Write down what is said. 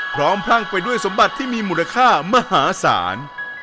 พรั่งไปด้วยสมบัติที่มีมูลค่ามหาศาล